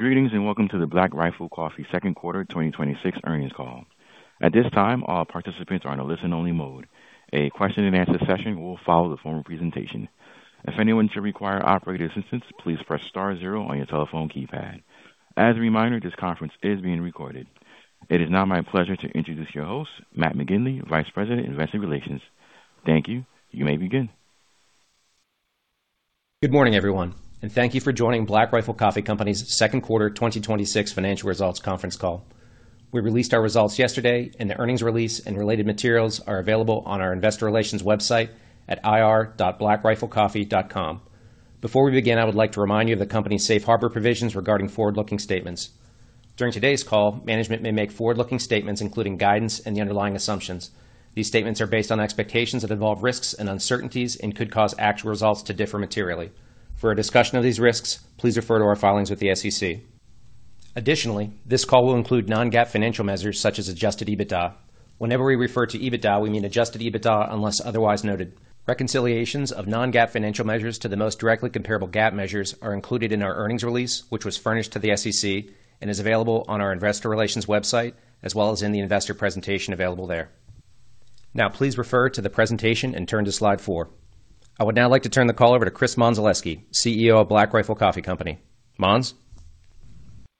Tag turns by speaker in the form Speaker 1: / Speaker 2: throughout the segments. Speaker 1: Greetings. Welcome to the Black Rifle Coffee second quarter 2026 earnings call. At this time, all participants are in a listen-only mode. A question-and-answer session will follow the formal presentation. If anyone should require operator assistance, please press star zero on your telephone keypad. As a reminder, this conference is being recorded. It is now my pleasure to introduce your host, Matt McGinley, Vice President of Investor Relations. Thank you. You may begin.
Speaker 2: Good morning, everyone. Thank you for joining Black Rifle Coffee Company's second quarter 2026 financial results conference call. We released our results yesterday, and the earnings release and related materials are available on our investor relations website at ir.blackriflecoffee.com. Before we begin, I would like to remind you of the company's safe harbor provisions regarding forward-looking statements. During today's call, management may make forward-looking statements, including guidance and the underlying assumptions. These statements are based on expectations that involve risks and uncertainties and could cause actual results to differ materially. For a discussion of these risks, please refer to our filings with the SEC. Additionally, this call will include non-GAAP financial measures such as Adjusted EBITDA. Whenever we refer to EBITDA, we mean Adjusted EBITDA unless otherwise noted. Reconciliations of non-GAAP financial measures to the most directly comparable GAAP measures are included in our earnings release, which was furnished to the SEC and is available on our investor relations website as well as in the investor presentation available there. Please refer to the presentation and turn to slide four. I would now like to turn the call over to Chris Mondzelewski, CEO of Black Rifle Coffee Company. Monz?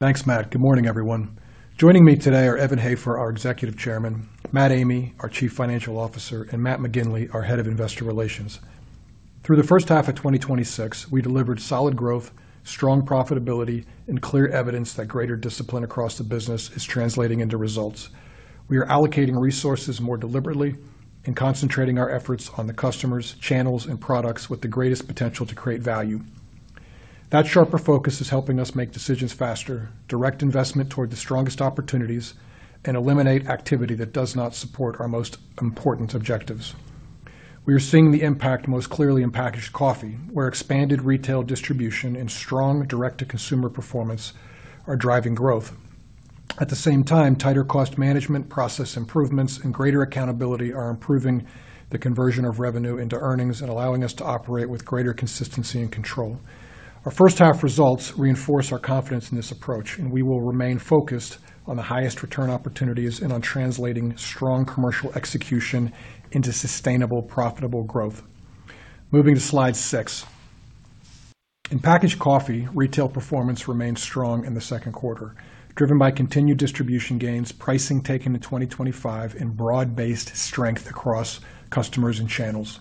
Speaker 3: Thanks, Matt. Good morning, everyone. Joining me today are Evan Hafer, our Executive Chairman, Matt Amigh, our Chief Financial Officer, and Matt McGinley, our Head of Investor Relations. Through the first half of 2026, we delivered solid growth, strong profitability, and clear evidence that greater discipline across the business is translating into results. We are allocating resources more deliberately and concentrating our efforts on the customers, channels, and products with the greatest potential to create value. That sharper focus is helping us make decisions faster, direct investment toward the strongest opportunities, and eliminate activity that does not support our most important objectives. We are seeing the impact most clearly in packaged coffee, where expanded retail distribution and strong direct-to-consumer performance are driving growth. At the same time, tighter cost management, process improvements, and greater accountability are improving the conversion of revenue into earnings and allowing us to operate with greater consistency and control. Our first half results reinforce our confidence in this approach, we will remain focused on the highest return opportunities and on translating strong commercial execution into sustainable, profitable growth. Moving to slide six. In packaged coffee, retail performance remained strong in the second quarter, driven by continued distribution gains, pricing taken to 2025, and broad-based strength across customers and channels.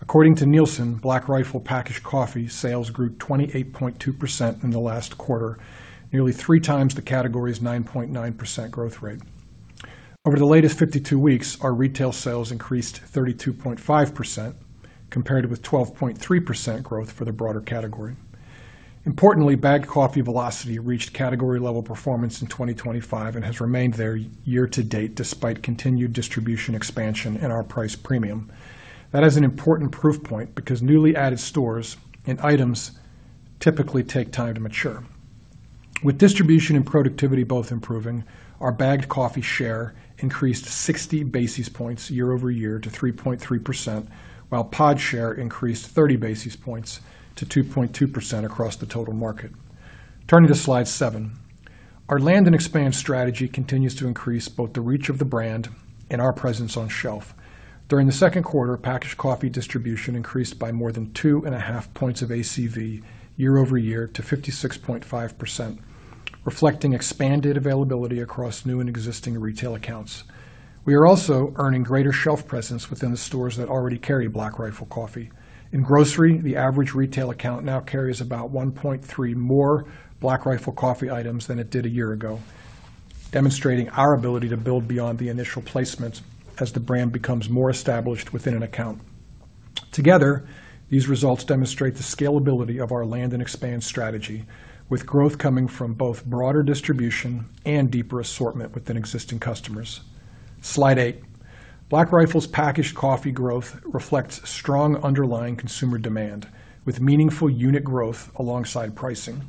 Speaker 3: According to Nielsen, Black Rifle packaged coffee sales grew 28.2% in the last quarter, nearly three times the category's 9.9% growth rate. Over the latest 52 weeks, our retail sales increased 32.5%, compared with 12.3% growth for the broader category. Importantly, bagged coffee velocity reached category-level performance in 2025 and has remained there year-to-date, despite continued distribution expansion and our price premium. That is an important proof point because newly added stores and items typically take time to mature. With distribution and productivity both improving, our bagged coffee share increased 60 basis points year-over-year to 3.3%, while pod share increased 30 basis points to 2.2% across the total market. Turning to slide seven. Our land and expand strategy continues to increase both the reach of the brand and our presence on shelf. During the second quarter, packaged coffee distribution increased by more than two and a half points of ACV year-over-year to 56.5%, reflecting expanded availability across new and existing retail accounts. We are also earning greater shelf presence within the stores that already carry Black Rifle Coffee. In grocery, the average retail account now carries about 1.3 more Black Rifle Coffee items than it did a year ago, demonstrating our ability to build beyond the initial placements as the brand becomes more established within an account. Together, these results demonstrate the scalability of our land and expand strategy, with growth coming from both broader distribution and deeper assortment within existing customers. Slide eight. Black Rifle's packaged coffee growth reflects strong underlying consumer demand, with meaningful unit growth alongside pricing.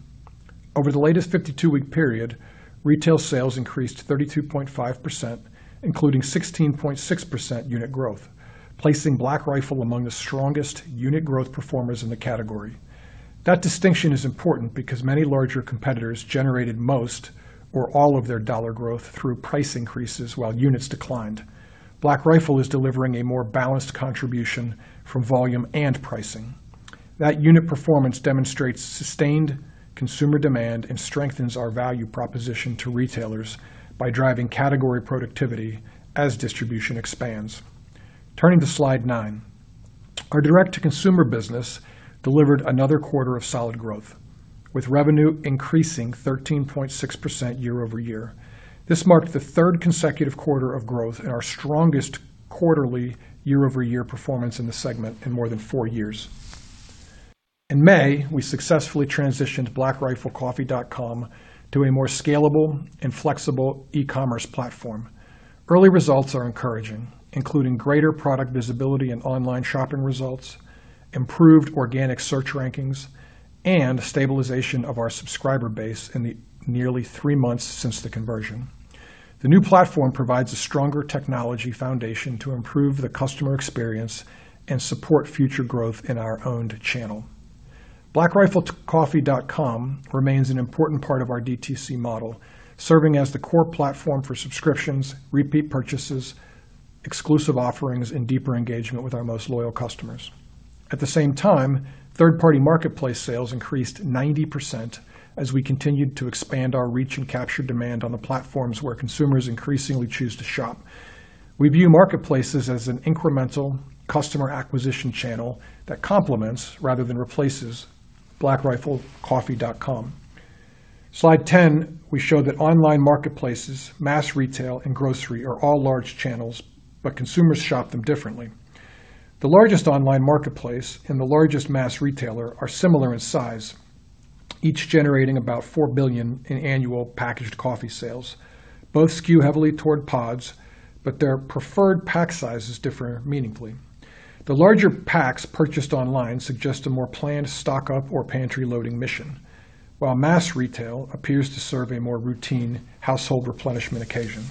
Speaker 3: Over the latest 52-week period, retail sales increased 32.5%, including 16.6% unit growth, placing Black Rifle among the strongest unit growth performers in the category. That distinction is important because many larger competitors generated most or all of their dollar growth through price increases while units declined. Black Rifle is delivering a more balanced contribution from volume and pricing. That unit performance demonstrates sustained consumer demand and strengthens our value proposition to retailers by driving category productivity as distribution expands. Turning to slide nine. Our direct-to-consumer business delivered another quarter of solid growth, with revenue increasing 13.6% year-over-year. This marked the third consecutive quarter of growth and our strongest quarterly year-over-year performance in the segment in more than four years. In May, we successfully transitioned blackriflecoffee.com to a more scalable and flexible e-commerce platform. Early results are encouraging, including greater product visibility in online shopping results, improved organic search rankings, and stabilization of our subscriber base in the nearly three months since the conversion. The new platform provides a stronger technology foundation to improve the customer experience and support future growth in our owned channel. blackriflecoffee.com remains an important part of our DTC model, serving as the core platform for subscriptions, repeat purchases, exclusive offerings, and deeper engagement with our most loyal customers. At the same time, third-party marketplace sales increased 90% as we continued to expand our reach and capture demand on the platforms where consumers increasingly choose to shop. We view marketplaces as an incremental customer acquisition channel that complements rather than replaces blackriflecoffee.com. Slide 10, we show that online marketplaces, mass retail, and grocery are all large channels, but consumers shop them differently. The largest online marketplace and the largest mass retailer are similar in size, each generating about $4 billion in annual packaged coffee sales. Both skew heavily toward pods, but their preferred pack sizes differ meaningfully. The larger packs purchased online suggest a more planned stock-up or pantry-loading mission, while mass retail appears to serve a more routine household replenishment occasion.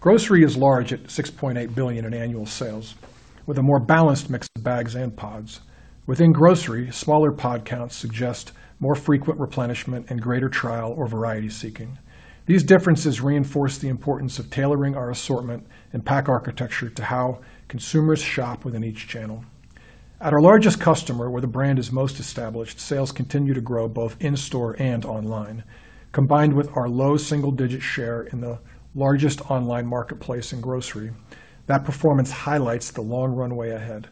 Speaker 3: Grocery is large at $6.8 billion in annual sales, with a more balanced mix of bags and pods. Within grocery, smaller pod counts suggest more frequent replenishment and greater trial or variety seeking. These differences reinforce the importance of tailoring our assortment and pack architecture to how consumers shop within each channel. At our largest customer, where the brand is most established, sales continue to grow both in-store and online. Combined with our low single-digit share in the largest online marketplace and grocery, that performance highlights the long runway ahead,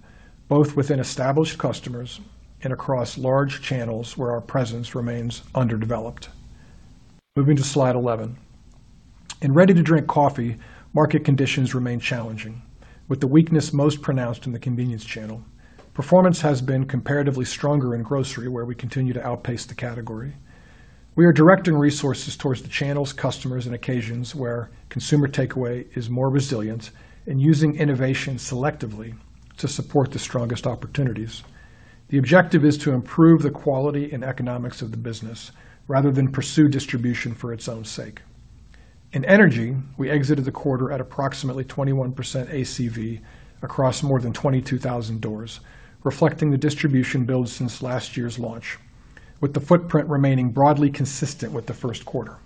Speaker 3: both within established customers and across large channels where our presence remains underdeveloped. Moving to slide 11. In ready-to-drink coffee, market conditions remain challenging, with the weakness most pronounced in the convenience channel. Performance has been comparatively stronger in grocery, where we continue to outpace the category. We are directing resources towards the channels, customers, and occasions where consumer takeaway is more resilient and using innovation selectively to support the strongest opportunities. The objective is to improve the quality and economics of the business rather than pursue distribution for its own sake. In energy, we exited the quarter at approximately 21% ACV across more than 22,000 doors, reflecting the distribution build since last year's launch, with the footprint remaining broadly consistent with the first quarter.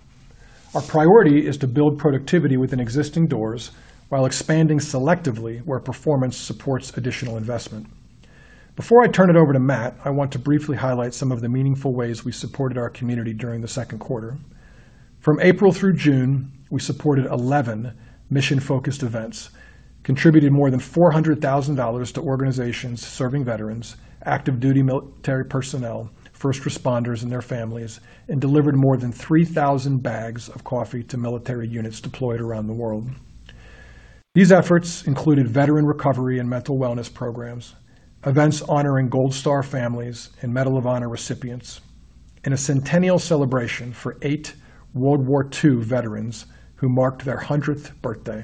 Speaker 3: Our priority is to build productivity within existing doors while expanding selectively where performance supports additional investment. Before I turn it over to Matt, I want to briefly highlight some of the meaningful ways we supported our community during the second quarter. From April through June, we supported 11 mission-focused events, contributed more than $400,000 to organizations serving veterans, active duty military personnel, first responders and their families, and delivered more than 3,000 bags of coffee to military units deployed around the world. These efforts included veteran recovery and mental wellness programs, events honoring Gold Star families and Medal of Honor recipients, and a centennial celebration for eight World War II veterans who marked their 100th birthday.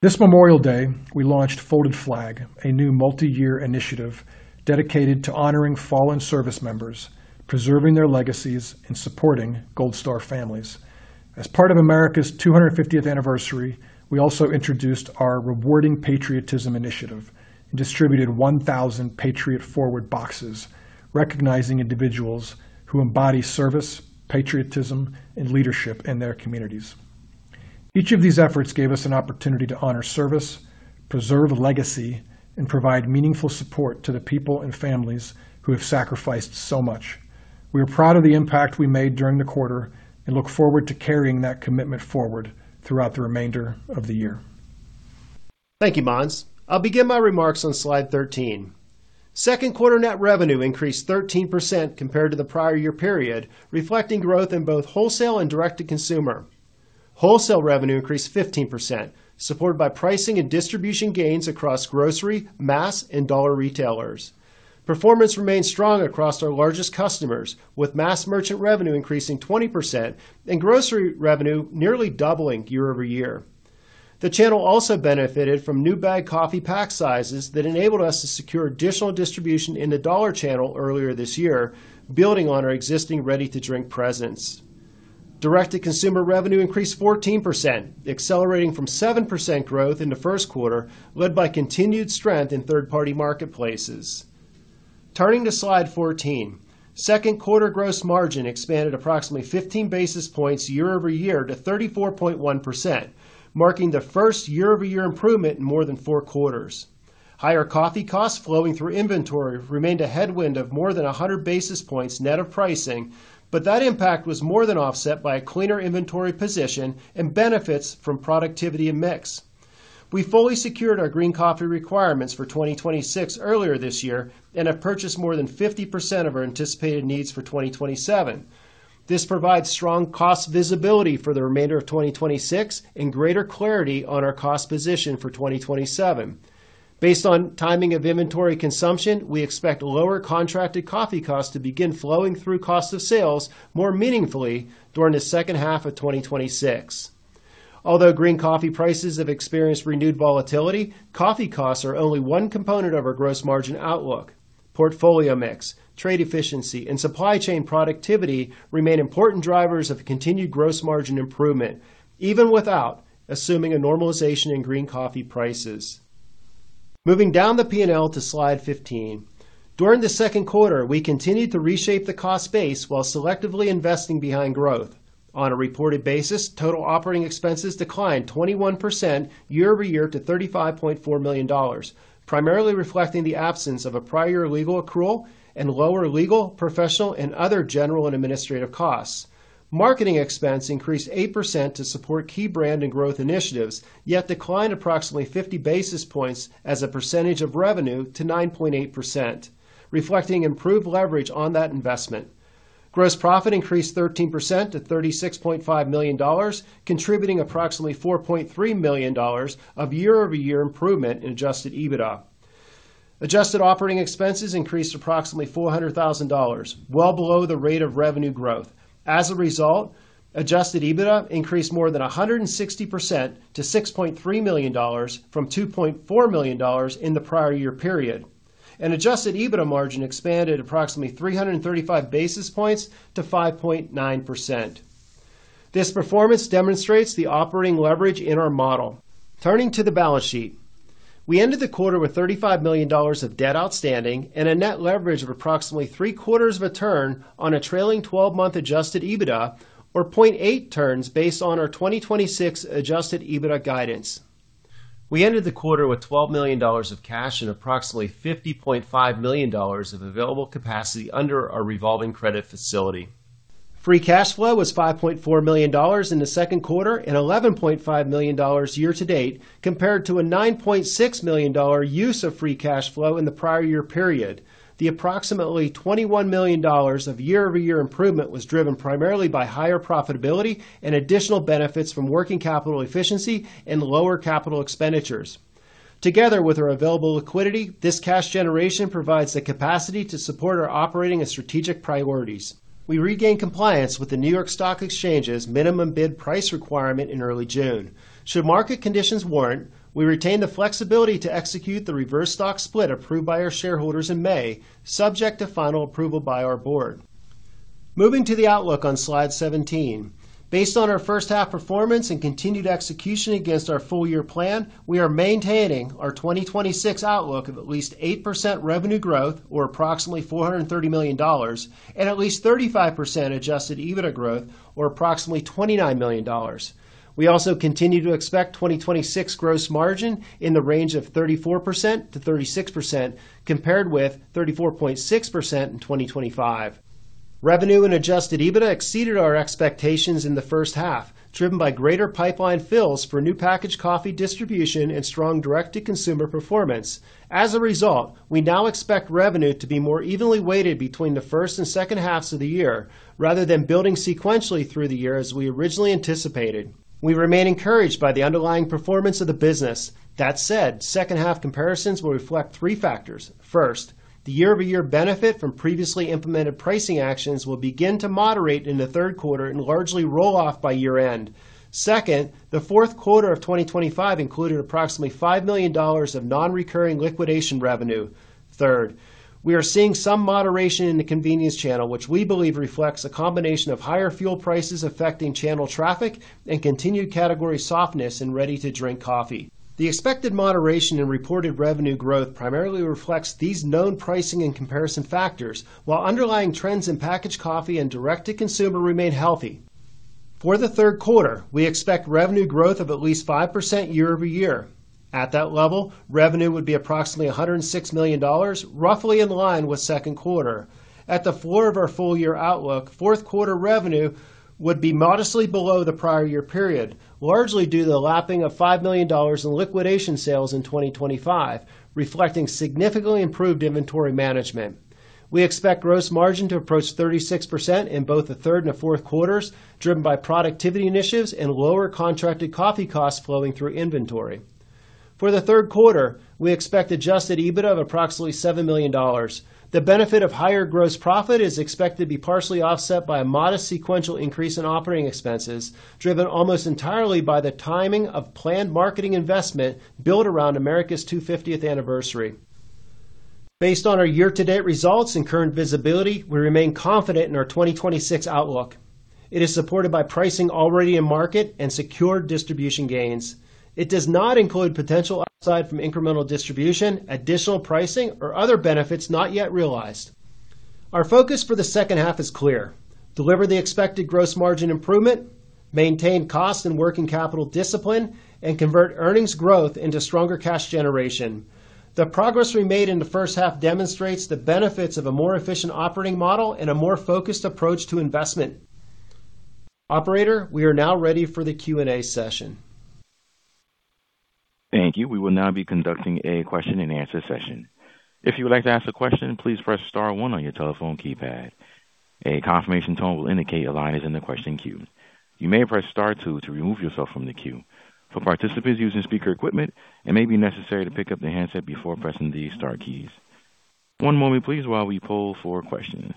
Speaker 3: This Memorial Day, we launched Folded Flag, a new multi-year initiative dedicated to honoring fallen service members, preserving their legacies, and supporting Gold Star families. As part of America's 250th anniversary, we also introduced our Rewarding Patriotism initiative and distributed 1,000 Patriot Forward boxes, recognizing individuals who embody service, patriotism, and leadership in their communities. Each of these efforts gave us an opportunity to honor service, preserve legacy, and provide meaningful support to the people and families who have sacrificed so much. We are proud of the impact we made during the quarter and look forward to carrying that commitment forward throughout the remainder of the year.
Speaker 4: Thank you, Mons. I'll begin my remarks on slide 13. Second quarter net revenue increased 13% compared to the prior year period, reflecting growth in both wholesale and direct-to-consumer. Wholesale revenue increased 15%, supported by pricing and distribution gains across grocery, mass, and dollar retailers. Performance remained strong across our largest customers, with mass merchant revenue increasing 20% and grocery revenue nearly doubling year-over-year. The channel also benefited from new bag coffee pack sizes that enabled us to secure additional distribution in the dollar channel earlier this year, building on our existing ready-to-drink presence. Direct-to-consumer revenue increased 14%, accelerating from 7% growth in the first quarter, led by continued strength in third-party marketplaces. Turning to slide 14. Second quarter gross margin expanded approximately 15 basis points year-over-year to 34.1%, marking the first year-over-year improvement in more than four quarters. Higher coffee costs flowing through inventory remained a headwind of more than 100 basis points net of pricing. That impact was more than offset by a cleaner inventory position and benefits from productivity and mix. We fully secured our green coffee requirements for 2026 earlier this year and have purchased more than 50% of our anticipated needs for 2027. This provides strong cost visibility for the remainder of 2026 and greater clarity on our cost position for 2027. Based on timing of inventory consumption, we expect lower contracted coffee costs to begin flowing through cost of sales more meaningfully during the second half of 2026. Although green coffee prices have experienced renewed volatility, coffee costs are only one component of our gross margin outlook. Portfolio mix, trade efficiency, and supply chain productivity remain important drivers of continued gross margin improvement, even without assuming a normalization in green coffee prices. Moving down the P&L to slide 15. During the second quarter, we continued to reshape the cost base while selectively investing behind growth. On a reported basis, total operating expenses declined 21% year-over-year to $35.4 million, primarily reflecting the absence of a prior legal accrual and lower legal, professional, and other general and administrative costs. Marketing expense increased 8% to support key brand and growth initiatives, yet declined approximately 50 basis points as a percentage of revenue to 9.8%, reflecting improved leverage on that investment. Gross profit increased 13% to $36.5 million, contributing approximately $4.3 million of year-over-year improvement in Adjusted EBITDA. Adjusted operating expenses increased approximately $400,000, well below the rate of revenue growth. As a result, Adjusted EBITDA increased more than 160% to $6.3 million from $2.4 million in the prior year period, and Adjusted EBITDA margin expanded approximately 335 basis points to 5.9%. This performance demonstrates the operating leverage in our model. Turning to the balance sheet. We ended the quarter with $35 million of debt outstanding and a net leverage of approximately three-quarters of a turn on a trailing 12-month Adjusted EBITDA, or 0.8 turns based on our 2026 Adjusted EBITDA guidance. We ended the quarter with $12 million of cash and approximately $50.5 million of available capacity under our revolving credit facility. Free cash flow was $5.4 million in the second quarter and $11.5 million year-to-date, compared to a $9.6 million use of free cash flow in the prior year period. The approximately $21 million of year-over-year improvement was driven primarily by higher profitability and additional benefits from working capital efficiency and lower capital expenditures. Together with our available liquidity, this cash generation provides the capacity to support our operating and strategic priorities. We regained compliance with the New York Stock Exchange's minimum bid price requirement in early June. Should market conditions warrant, we retain the flexibility to execute the reverse stock split approved by our shareholders in May, subject to final approval by our board. Moving to the outlook on slide 17. Based on our first half performance and continued execution against our full year plan, we are maintaining our 2026 outlook of at least 8% revenue growth or approximately $430 million and at least 35% Adjusted EBITDA growth or approximately $29 million. We also continue to expect 2026 gross margin in the range of 34%-36%, compared with 34.6% in 2025. Revenue and Adjusted EBITDA exceeded our expectations in the first half, driven by greater pipeline fills for new packaged coffee distribution and strong direct-to-consumer performance. As a result, we now expect revenue to be more evenly weighted between the first and second halves of the year, rather than building sequentially through the year as we originally anticipated. We remain encouraged by the underlying performance of the business. That said, second half comparisons will reflect three factors. First, the year-over-year benefit from previously implemented pricing actions will begin to moderate in the third quarter and largely roll off by year-end. Second, the fourth quarter of 2025 included approximately $5 million of non-recurring liquidation revenue. Third, we are seeing some moderation in the convenience channel, which we believe reflects a combination of higher fuel prices affecting channel traffic and continued category softness in ready-to-drink coffee. The expected moderation in reported revenue growth primarily reflects these known pricing and comparison factors, while underlying trends in packaged coffee and direct-to-consumer remain healthy. For the third quarter, we expect revenue growth of at least 5% year-over-year. At that level, revenue would be approximately $106 million, roughly in line with second quarter. At the floor of our full year outlook, fourth quarter revenue would be modestly below the prior year period, largely due to the lapping of $5 million in liquidation sales in 2025, reflecting significantly improved inventory management. We expect gross margin to approach 36% in both the third and fourth quarters, driven by productivity initiatives and lower contracted coffee costs flowing through inventory. For the third quarter, we expect Adjusted EBITDA of approximately $7 million. The benefit of higher gross profit is expected to be partially offset by a modest sequential increase in operating expenses, driven almost entirely by the timing of planned marketing investment built around America's 250th anniversary. Based on our year-to-date results and current visibility, we remain confident in our 2026 outlook. It is supported by pricing already in market and secure distribution gains. It does not include potential upside from incremental distribution, additional pricing, or other benefits not yet realized. Our focus for the second half is clear: deliver the expected gross margin improvement, maintain cost and working capital discipline, and convert earnings growth into stronger cash generation. The progress we made in the first half demonstrates the benefits of a more efficient operating model and a more focused approach to investment. Operator, we are now ready for the Q&A session.
Speaker 1: Thank you. We will now be conducting a question-and-answer session. If you would like to ask a question, please press star one on your telephone keypad. A confirmation tone will indicate your line is in the question queue. You may press star two to remove yourself from the queue. For participants using speaker equipment, it may be necessary to pick up the handset before pressing these star keys. One moment please, while we poll for questions.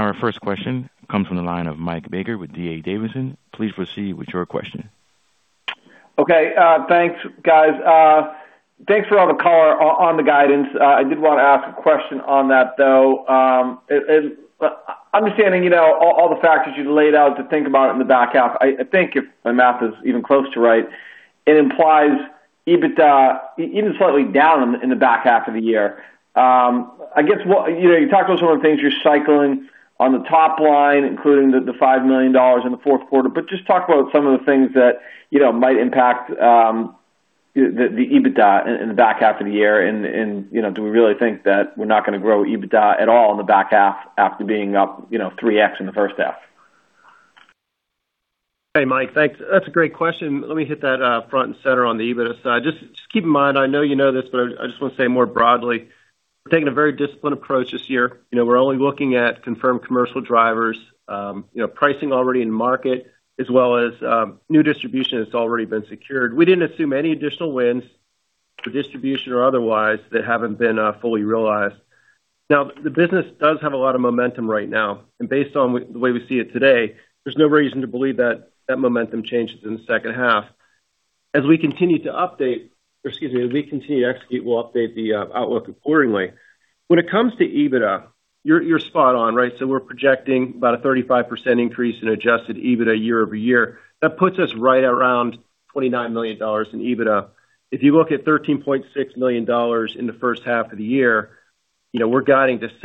Speaker 1: Our first question comes from the line of Michael Baker with D.A. Davidson. Please proceed with your question
Speaker 5: Okay. Thanks, guys. Thanks for all the color on the guidance. I did want to ask a question on that, though. Understanding all the factors you've laid out to think about in the back half, I think if my math is even close to right, it implies EBITDA even slightly down in the back half of the year. You talked about some of the things you're cycling on the top line, including the $5 million in the fourth quarter. Just talk about some of the things that might impact the EBITDA in the back half of the year, and do we really think that we're not going to grow EBITDA at all in the back half after being up 3x in the first half?
Speaker 4: Hey, Mike. Thanks. That's a great question. Let me hit that front and center on the EBITDA side. Just keep in mind, I know you know this, but I just want to say it more broadly, we're taking a very disciplined approach this year. We're only looking at confirmed commercial drivers, pricing already in market, as well as new distribution that's already been secured. We didn't assume any additional wins for distribution or otherwise that haven't been fully realized. The business does have a lot of momentum right now. Based on the way we see it today, there's no reason to believe that that momentum changes in the second half. As we continue to execute, we'll update the outlook accordingly. When it comes to EBITDA, you're spot on, right? We're projecting about a 35% increase in Adjusted EBITDA year-over-year. That puts us right around $29 million in EBITDA. If you look at $13.6 million in the first half of the year, we're guiding to at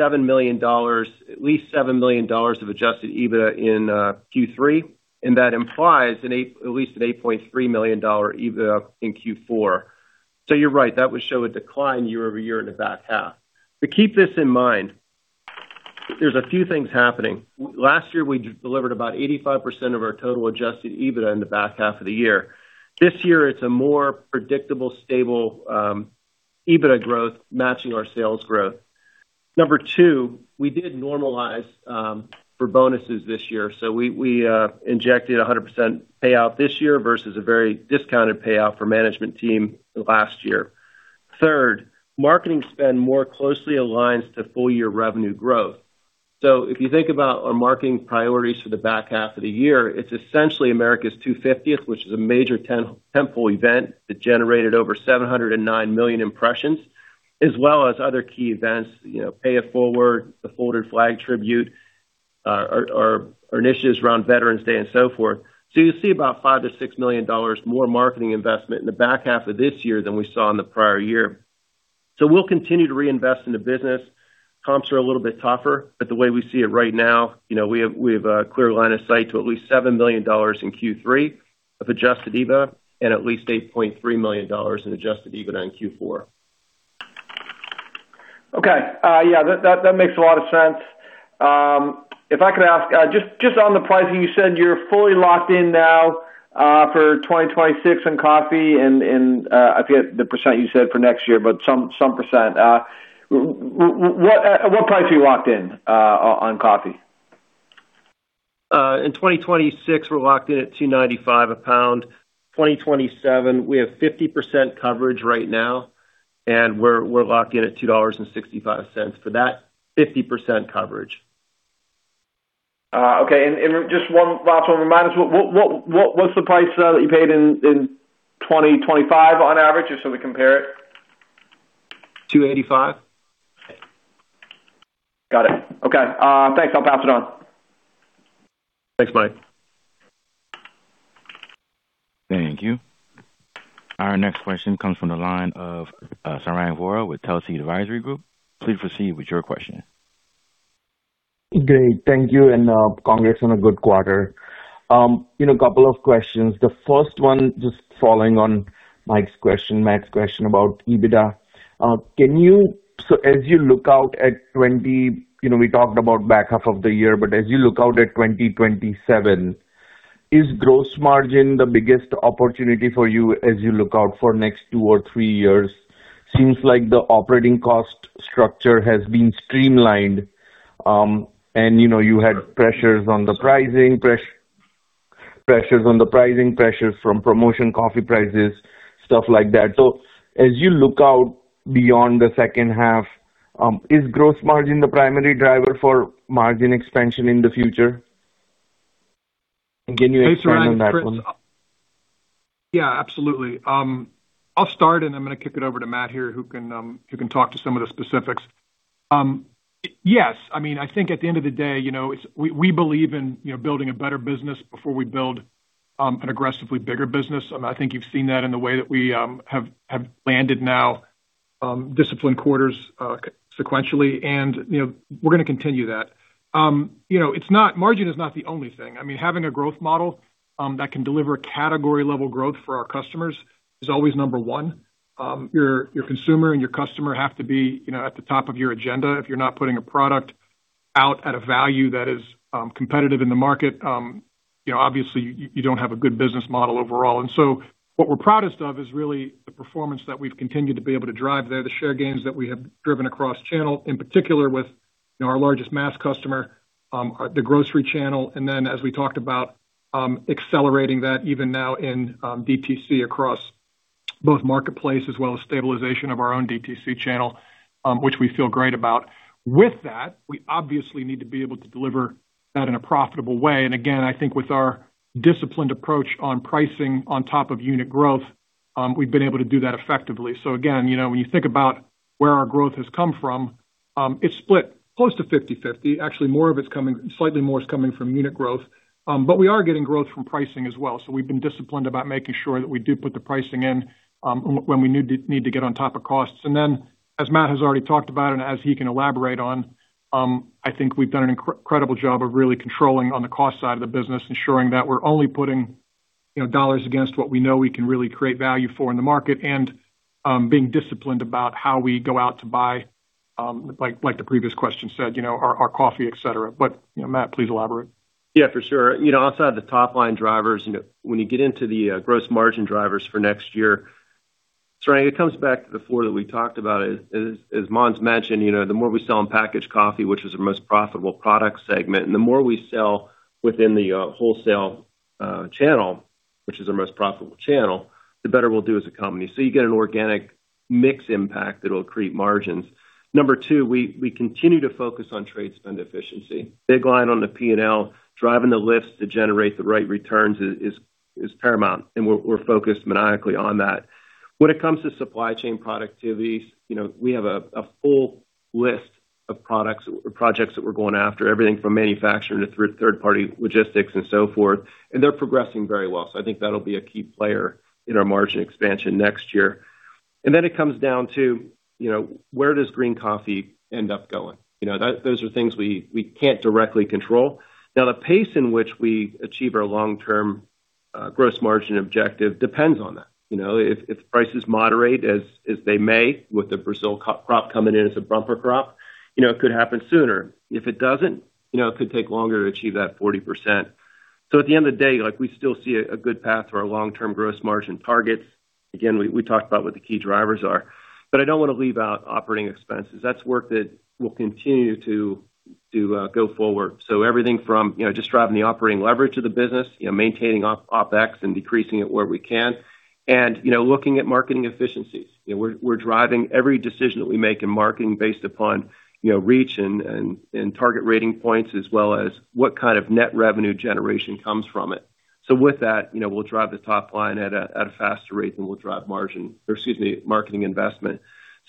Speaker 4: least $7 million of Adjusted EBITDA in Q3. That implies at least an $8.3 million EBITDA in Q4. You're right, that would show a decline year-over-year in the back half. Keep this in mind, there's a few things happening. Last year, we delivered about 85% of our total Adjusted EBITDA in the back half of the year. This year, it's a more predictable, stable EBITDA growth matching our sales growth. Number two, we did normalize for bonuses this year. We injected 100% payout this year versus a very discounted payout for management team last year. Third, marketing spend more closely aligns to full year revenue growth. If you think about our marketing priorities for the back half of the year, it's essentially America's 250th, which is a major tentpole event that generated over 709 million impressions, as well as other key events, Patriot Forward, the Folded Flag Tribute, our initiatives around Veterans Day and so forth. You'll see about $5 million-$6 million more marketing investment in the back half of this year than we saw in the prior year. We'll continue to reinvest in the business. Comps are a little bit tougher. The way we see it right now, we have a clear line of sight to at least $7 million in Q3 of Adjusted EBITDA and at least $8.3 million in Adjusted EBITDA in Q4.
Speaker 5: Okay. Yeah, that makes a lot of sense. If I could ask, just on the pricing, you said you're fully locked in now for 2026 in coffee and I forget the percent you said for next year, but some percent. At what price are you locked in on coffee?
Speaker 4: In 2026, we're locked in at $2.95 a pound. 2027, we have 50% coverage right now. We're locked in at $2.65 for that 50% coverage.
Speaker 5: Okay. Just one last one. Remind us, what's the price that you paid in 2025 on average? Just so we compare it.
Speaker 4: $2.85.
Speaker 5: Got it. Okay. Thanks. I'll pass it on.
Speaker 4: Thanks, Mike.
Speaker 1: Thank you. Our next question comes from the line of Sarang Vora with Telsey Advisory Group. Please proceed with your question.
Speaker 6: Great. Thank you, and congrats on a good quarter. A couple of questions. The first one, just following on Mike's question, Matt's question about EBITDA. We talked about back half of the year, but as you look out at 2027, is gross margin the biggest opportunity for you as you look out for next two or three years? Seems like the operating cost structure has been streamlined, and you had pressures on the pricing, pressures from promotion coffee prices, stuff like that. As you look out beyond the second half, is gross margin the primary driver for margin expansion in the future? Can you expand on that one?
Speaker 3: Yeah, absolutely. I'll start, and I'm going to kick it over to Matt here, who can talk to some of the specifics. Yes. I think at the end of the day, we believe in building a better business before we build an aggressively bigger business. I think you've seen that in the way that we have landed now disciplined quarters sequentially, and we're going to continue that. Margin is not the only thing. Having a growth model that can deliver category-level growth for our customers is always number one. Your consumer and your customer have to be at the top of your agenda. If you're not putting a product out at a value that is competitive in the market, obviously you don't have a good business model overall. What we're proudest of is really the performance that we've continued to be able to drive there, the share gains that we have driven across channel, in particular with our largest mass customer, the grocery channel, and then as we talked about accelerating that even now in DTC across Both marketplace as well as stabilization of our own DTC channel, which we feel great about. With that, we obviously need to be able to deliver that in a profitable way. Again, I think with our disciplined approach on pricing on top of unit growth, we've been able to do that effectively. Again, when you think about where our growth has come from, it's split close to 50/50. Actually, slightly more is coming from unit growth. We are getting growth from pricing as well. We've been disciplined about making sure that we do put the pricing in when we need to get on top of costs. As Matt Amigh has already talked about and as he can elaborate on, I think we've done an incredible job of really controlling on the cost side of the business, ensuring that we're only putting dollars against what we know we can really create value for in the market, and being disciplined about how we go out to buy, like the previous question said, our coffee, et cetera. Matt Amigh, please elaborate.
Speaker 4: Yeah, for sure. Outside the top-line drivers, when you get into the gross margin drivers for next year, Sarang, it comes back to the four that we talked about. As Mons mentioned, the more we sell in packaged coffee, which is our most profitable product segment, and the more we sell within the wholesale channel, which is our most profitable channel, the better we'll do as a company. You get an organic mix impact that'll create margins. Number two, we continue to focus on trade spend efficiency. Big line on the P&L, driving the lifts to generate the right returns is paramount. We're focused maniacally on that. When it comes to supply chain productivities, we have a full list of projects that we're going after, everything from manufacturing to third-party logistics and so forth, and they're progressing very well. I think that'll be a key player in our margin expansion next year. It comes down to, where does green coffee end up going? Those are things we can't directly control. Now, the pace in which we achieve our long-term gross margin objective depends on that. If prices moderate as they may, with the Brazil crop coming in as a bumper crop, it could happen sooner. If it doesn't, it could take longer to achieve that 40%. At the end of the day, we still see a good path for our long-term gross margin targets. Again, we talked about what the key drivers are. I don't want to leave out operating expenses. That's work that will continue to go forward. Everything from just driving the operating leverage of the business, maintaining OpEx and decreasing it where we can, and looking at marketing efficiencies. We're driving every decision that we make in marketing based upon reach and Target Rating Points, as well as what kind of net revenue generation comes from it. With that, we'll drive the top line at a faster rate than we'll drive marketing investment.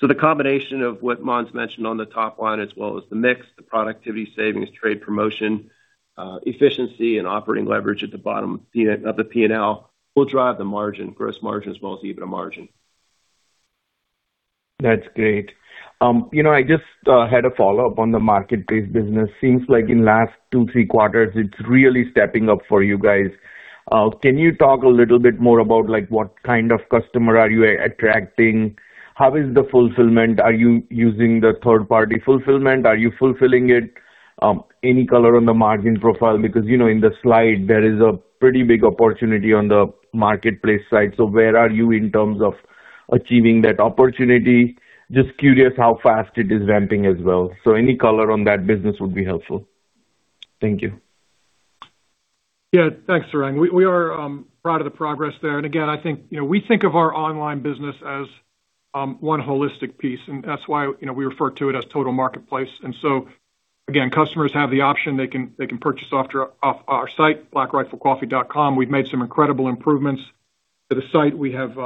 Speaker 4: The combination of what Mons mentioned on the top line as well as the mix, the productivity savings, trade promotion, efficiency, and operating leverage at the bottom of the P&L will drive the margin, gross margin as well as EBITDA margin.
Speaker 6: That's great. I just had a follow-up on the marketplace business. Seems like in last two, three quarters, it's really stepping up for you guys. Can you talk a little bit more about what kind of customer are you attracting? How is the fulfillment? Are you using the third-party fulfillment? Are you fulfilling it? Any color on the margin profile? Because in the slide, there is a pretty big opportunity on the marketplace side. Where are you in terms of achieving that opportunity? Just curious how fast it is ramping as well. Any color on that business would be helpful. Thank you.
Speaker 3: Yeah. Thanks, Sarang. We are proud of the progress there. Again, we think of our online business as one holistic piece, and that's why we refer to it as total marketplace. Again, customers have the option. They can purchase off our site, blackriflecoffee.com. We've made some incredible improvements to the site. We have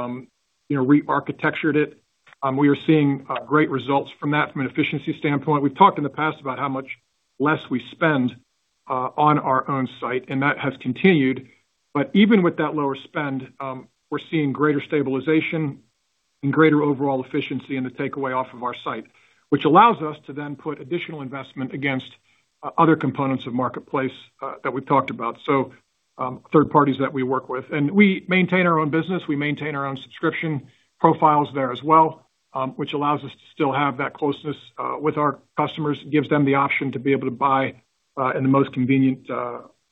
Speaker 3: re-architectured it. We are seeing great results from that from an efficiency standpoint. We've talked in the past about how much less we spend on our own site, and that has continued. Even with that lower spend, we're seeing greater stabilization and greater overall efficiency in the takeaway off of our site. Which allows us to then put additional investment against other components of marketplace that we've talked about, so third parties that we work with. We maintain our own business. We maintain our own subscription profiles there as well, which allows us to still have that closeness with our customers. It gives them the option to be able to buy in the most convenient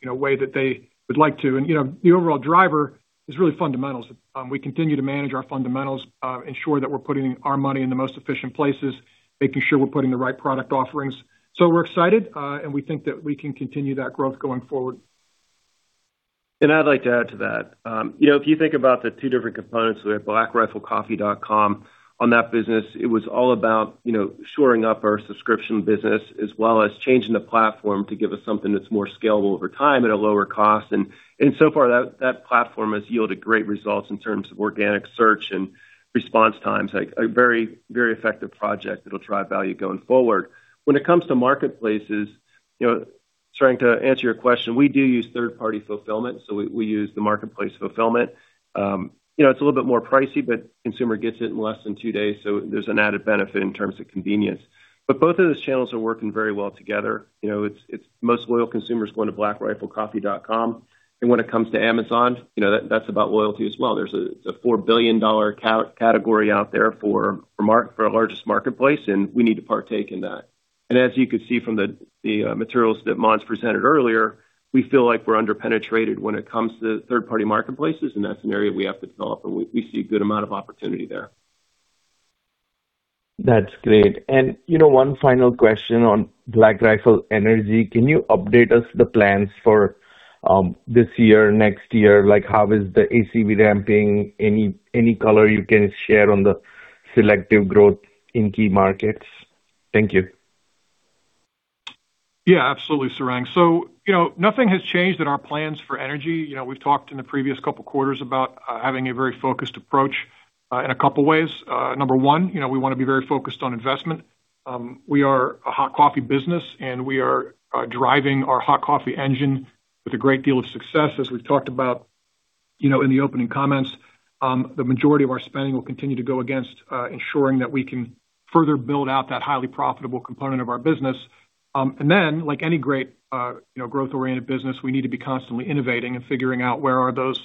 Speaker 3: way that they would like to. The overall driver is really fundamentals. We continue to manage our fundamentals, ensure that we're putting our money in the most efficient places, making sure we're putting the right product offerings. We're excited, and we think that we can continue that growth going forward.
Speaker 4: I'd like to add to that. If you think about the two different components, we have blackriflecoffee.com. On that business, it was all about shoring up our subscription business as well as changing the platform to give us something that's more scalable over time at a lower cost. So far, that platform has yielded great results in terms of organic search and response times. A very, very effective project that'll drive value going forward. When it comes to marketplaces, Sarang, to answer your question, we do use third-party fulfillment, so we use the marketplace fulfillment. It's a little bit more pricey, but consumer gets it in less than two days, so there's an added benefit in terms of convenience. Both of those channels are working very well together. Most loyal consumers go into blackriflecoffee.com. When it comes to Amazon, that's about loyalty as well. There's a $4 billion category out there for our largest marketplace, we need to partake in that. As you could see from the materials that Mons presented earlier, we feel like we're under-penetrated when it comes to third-party marketplaces, that's an area we have to develop, we see a good amount of opportunity there.
Speaker 6: That's great. One final question on Black Rifle Energy. Can you update us the plans for this year, next year? How is the ACV ramping? Any color you can share on the selective growth in key markets? Thank you.
Speaker 3: Yeah, absolutely, Sarang. Nothing has changed in our plans for energy. We've talked in the previous couple of quarters about having a very focused approach, in a couple of ways. Number one, we want to be very focused on investment. We are a hot coffee business, we are driving our hot coffee engine with a great deal of success, as we've talked about in the opening comments. The majority of our spending will continue to go against ensuring that we can further build out that highly profitable component of our business. Then, like any great growth-oriented business, we need to be constantly innovating and figuring out where are those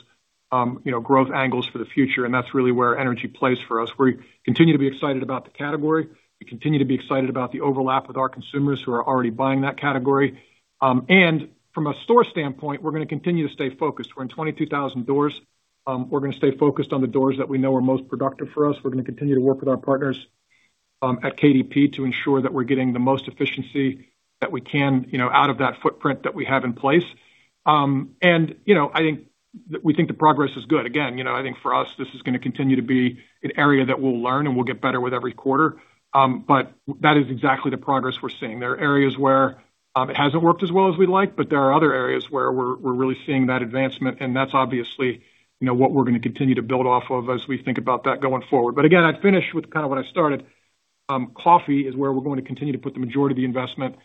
Speaker 3: growth angles for the future, that's really where energy plays for us. We continue to be excited about the category. We continue to be excited about the overlap with our consumers who are already buying that category. From a store standpoint, we're going to continue to stay focused. We're in 22,000 doors. We're going to stay focused on the doors that we know are most productive for us. We're going to continue to work with our partners, at KDP to ensure that we're getting the most efficiency that we can out of that footprint that we have in place. We think the progress is good. Again, I think for us, this is going to continue to be an area that we'll learn and we'll get better with every quarter. That is exactly the progress we're seeing. There are areas where it hasn't worked as well as we'd like, there are other areas where we're really seeing that advancement, that's obviously what we're going to continue to build off of as we think about that going forward. Again, I'd finish with kind of what I started. Coffee is where we're going to continue to put the majority of the investment.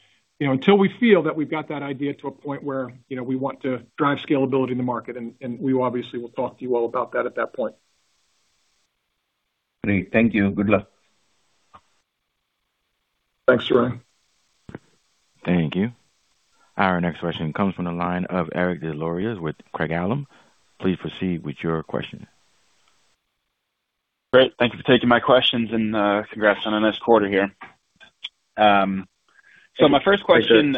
Speaker 3: Until we feel that we've got that idea to a point where we want to drive scalability in the market, and we obviously will talk to you all about that at that point.
Speaker 6: Great. Thank you. Good luck.
Speaker 3: Thanks, Sarang.
Speaker 1: Thank you. Our next question comes from the line of Eric Des Lauriers with Craig-Hallum. Please proceed with your question.
Speaker 7: Great. Thank you for taking my questions and congrats on a nice quarter here. My first question,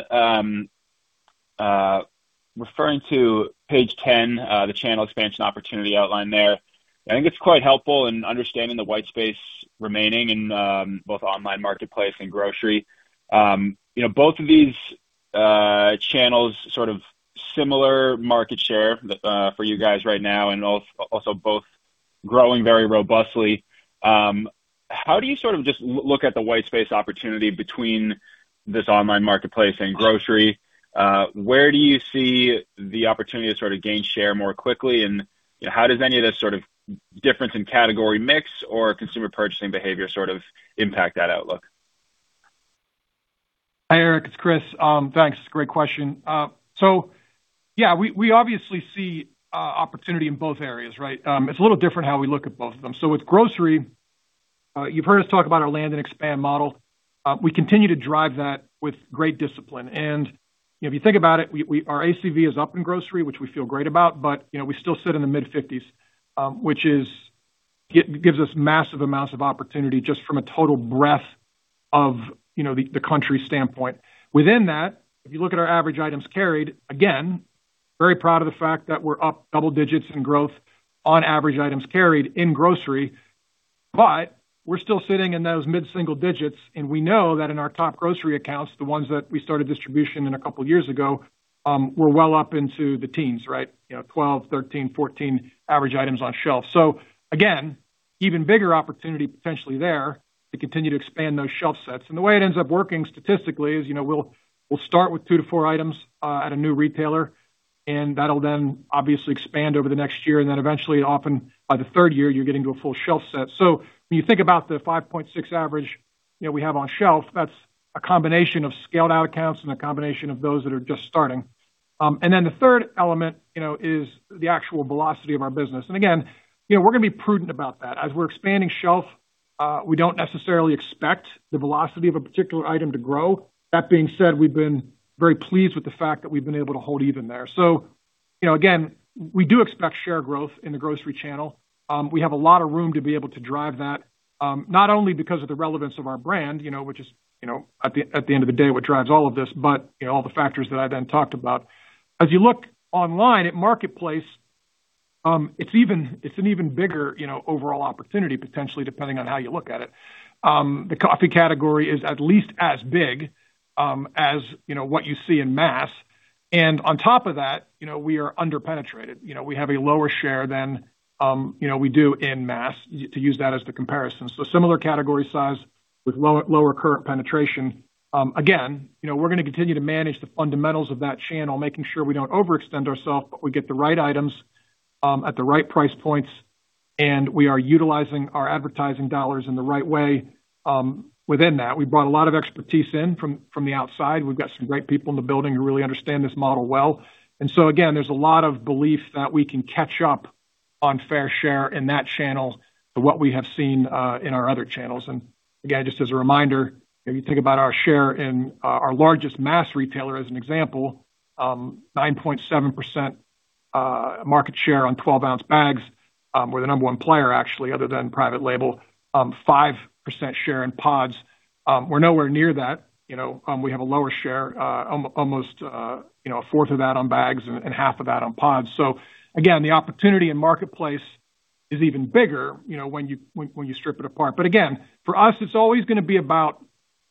Speaker 7: referring to page 10, the channel expansion opportunity outlined there. I think it's quite helpful in understanding the white space remaining in both online marketplace and grocery. Both of these channels sort of similar market share for you guys right now and also both growing very robustly. How do you sort of just look at the white space opportunity between this online marketplace and grocery? Where do you see the opportunity to sort of gain share more quickly, and how does any of this sort of difference in category mix or consumer purchasing behavior sort of impact that outlook?
Speaker 3: Hi, Eric. It's Chris. Thanks. Great question. Yeah, we obviously see opportunity in both areas, right? It's a little different how we look at both of them. With grocery, you've heard us talk about our land and expand model. We continue to drive that with great discipline. If you think about it, our ACV is up in grocery, which we feel great about, but we still sit in the mid-50s, which gives us massive amounts of opportunity just from a total breadth of the country standpoint. Within that, if you look at our average items carried, again, very proud of the fact that we're up double digits in growth on average items carried in grocery. We're still sitting in those mid-single digits, and we know that in our top grocery accounts, the ones that we started distribution in a couple of years ago, were well up into the teens, right? 12, 13, 14 average items on shelf. Again, even bigger opportunity potentially there to continue to expand those shelf sets. The way it ends up working statistically is we'll start with two to four items at a new retailer, and that'll then obviously expand over the next year, and then eventually often by the third year, you're getting to a full shelf set. When you think about the 5.6 average we have on shelf, that's a combination of scaled-out accounts and a combination of those that are just starting. The third element is the actual velocity of our business. Again, we're going to be prudent about that. As we're expanding shelf, we don't necessarily expect the velocity of a particular item to grow. That being said, we've been very pleased with the fact that we've been able to hold even there. Again, we do expect share growth in the grocery channel. We have a lot of room to be able to drive that, not only because of the relevance of our brand, which is at the end of the day what drives all of this, but all the factors that I then talked about. As you look online at marketplace, it's an even bigger overall opportunity, potentially, depending on how you look at it. The coffee category is at least as big as what you see in mass. On top of that, we are under-penetrated. We have a lower share than we do in mass, to use that as the comparison. Similar category size with lower current penetration. We're going to continue to manage the fundamentals of that channel, making sure we don't overextend ourselves, but we get the right items at the right price points, we are utilizing our advertising dollars in the right way within that. We brought a lot of expertise in from the outside. We've got some great people in the building who really understand this model well. There's a lot of belief that we can catch up on fair share in that channel to what we have seen in our other channels. Just as a reminder, if you think about our share in our largest mass retailer, as an example, 9.7% market share on 12-ounce bags. We're the number one player, actually, other than private label. 5% share in pods. We're nowhere near that. We have a lower share, almost a fourth of that on bags and half of that on pods. The opportunity in the marketplace is even bigger when you strip it apart. For us, it's always going to be about,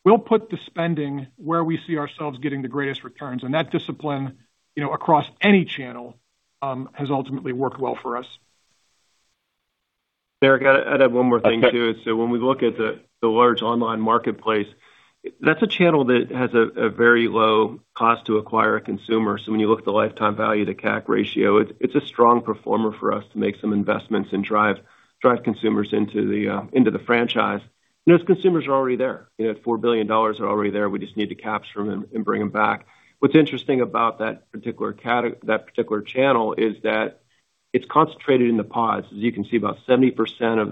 Speaker 3: we'll put the spending where we see ourselves getting the greatest returns, and that discipline across any channel has ultimately worked well for us.
Speaker 4: Eric, I'd add one more thing, too. When we look at the large online marketplace, that's a channel that has a very low cost to acquire a consumer. When you look at the lifetime value to CAC ratio, it's a strong performer for us to make some investments and drive consumers into the franchise. Those consumers are already there. $4 billion are already there. We just need to capture them and bring them back. What's interesting about that particular channel is that it's concentrated in the pods. As you can see, about 70% of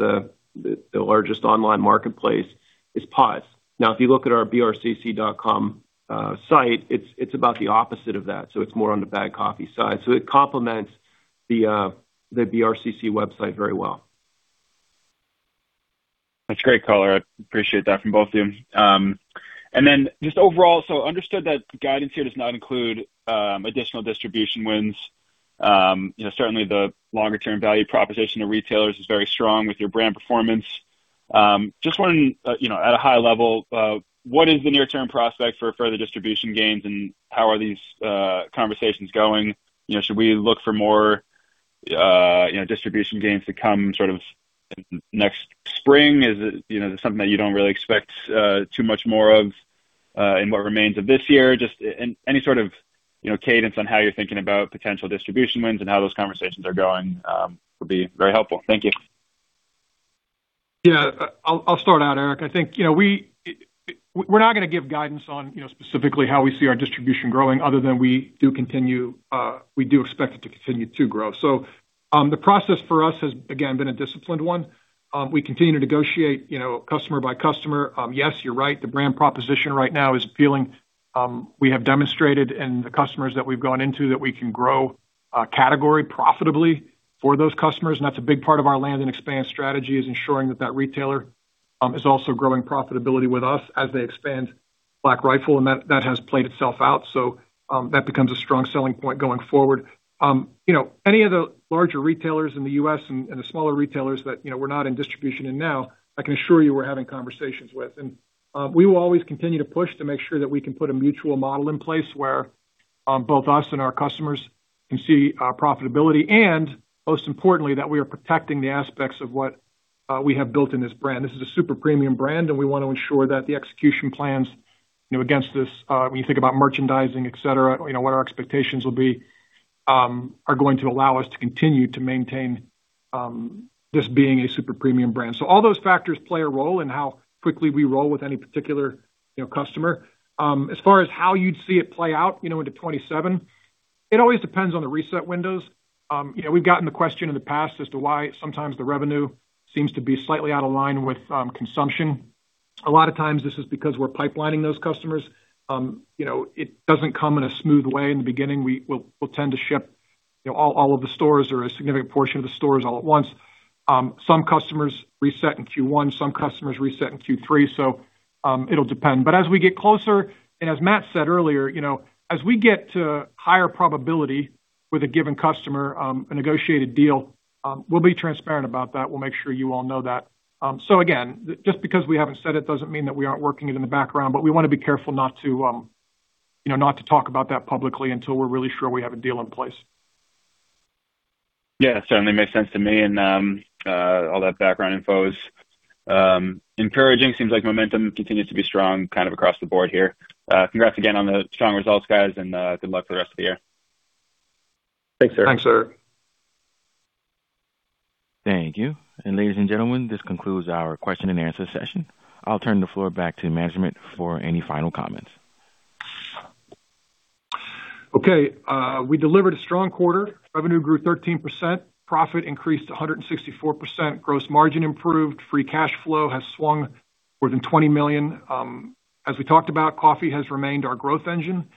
Speaker 4: the largest online marketplace is pods. Now, if you look at our brcc.com site, it's about the opposite of that, so it's more on the bag coffee side. It complements the BRCC website very well.
Speaker 7: That's great color. I appreciate that from both of you. Just overall, understood that guidance here does not include additional distribution wins. Certainly, the longer-term value proposition to retailers is very strong with your brand performance. Just wondering, at a high level, what is the near-term prospect for further distribution gains and how are these conversations going? Should we look for more distribution gains to come sort of next spring? Is it something that you don't really expect too much more of in what remains of this year? Just any sort of cadence on how you're thinking about potential distribution wins and how those conversations are going would be very helpful. Thank you.
Speaker 3: Yeah, I'll start out, Eric. I think we're not going to give guidance on specifically how we see our distribution growing other than we do expect it to continue to grow. The process for us has, again, been a disciplined one. We continue to negotiate customer by customer. Yes, you're right, the brand proposition right now is feeling we have demonstrated in the customers that we've gone into that we can grow category profitably for those customers, and that's a big part of our land and expand strategy, is ensuring that that retailer is also growing profitability with us as they expand Black Rifle, and that has played itself out. That becomes a strong selling point going forward. Any of the larger retailers in the U.S. and the smaller retailers that we're not in distribution in now, I can assure you we're having conversations with. We will always continue to push to make sure that we can put a mutual model in place where both us and our customers can see profitability and, most importantly, that we are protecting the aspects of what we have built in this brand. This is a super premium brand, and we want to ensure that the execution plans against this, when you think about merchandising, et cetera, what our expectations will be, are going to allow us to continue to maintain this being a super premium brand. All those factors play a role in how quickly we roll with any particular customer. As far as how you'd see it play out into 2027, it always depends on the reset windows. We've gotten the question in the past as to why sometimes the revenue seems to be slightly out of line with consumption. A lot of times, this is because we're pipelining those customers. It doesn't come in a smooth way in the beginning. We'll tend to ship all of the stores or a significant portion of the stores all at once. Some customers reset in Q1, some customers reset in Q3, so it'll depend. As we get closer, and as Matt said earlier, as we get to higher probability with a given customer, a negotiated deal, we'll be transparent about that. We'll make sure you all know that. Again, just because we haven't said it doesn't mean that we aren't working it in the background, but we want to be careful not to talk about that publicly until we're really sure we have a deal in place.
Speaker 7: Yeah, certainly makes sense to me, and all that background info is encouraging. Seems like momentum continues to be strong kind of across the board here. Congrats again on the strong results, guys, and good luck for the rest of the year.
Speaker 3: Thanks, Eric.
Speaker 1: Thank you. Ladies and gentlemen, this concludes our question and answer session. I'll turn the floor back to management for any final comments.
Speaker 3: Okay. We delivered a strong quarter. Revenue grew 13%, profit increased 164%, gross margin improved, free cash flow has swung more than $20 million. As we talked about, coffee has remained our growth engine,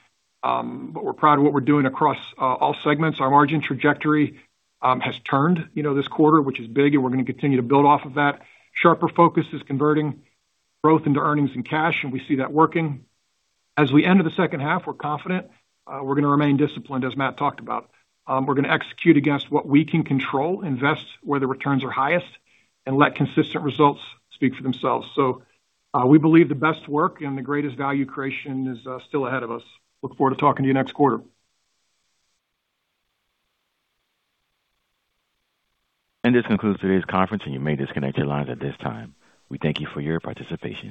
Speaker 3: but we're proud of what we're doing across all segments. Our margin trajectory has turned this quarter, which is big, and we're gonna continue to build off of that. Sharper focus is converting growth into earnings and cash, and we see that working. As we enter the second half, we're confident. We're gonna remain disciplined, as Matt talked about. We're gonna execute against what we can control, invest where the returns are highest, and let consistent results speak for themselves. We believe the best work and the greatest value creation is still ahead of us. Look forward to talking to you next quarter.
Speaker 1: This concludes today's conference, and you may disconnect your lines at this time. We thank you for your participation.